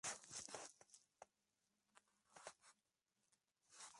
Para un observador externo al sistema, esta organización aparece como auto-referida.